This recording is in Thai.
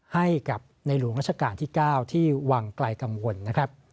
ให้กับในหลวงราชการที่๙ที่วังไกลกังวลนะครับ